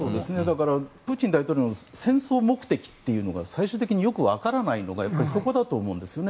だから、プーチン大統領の戦争目的っていうのが最終的によくわからないのがそこだと思うんですよね。